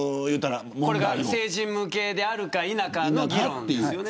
これが成人向けであるか否かの議論ですね。